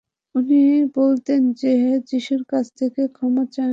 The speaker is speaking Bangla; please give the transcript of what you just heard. উনি বলতেন যে যীশুর কাছ থেকে ক্ষমা চান উনি।